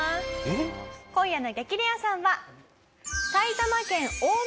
今夜の激レアさんは。